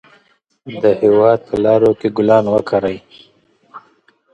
د هېواد په لارو کې ګلان وکرئ.